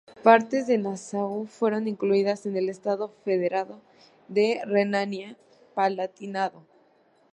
Partes de Nassau fueron incluidas en el estado federado de Renania Palatinado.